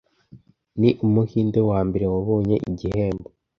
ni Umuhinde wa mbere wabonye igihembo